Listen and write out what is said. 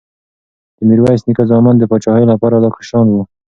د میرویس نیکه زامن د پاچاهۍ لپاره لا کشران وو.